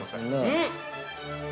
うん！